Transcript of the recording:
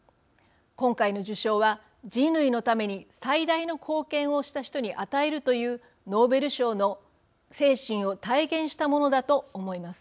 今回の受賞は、人類のために最大の貢献をした人に与えるというノーベル賞の精神を体現したものだと思います。